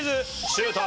シュート！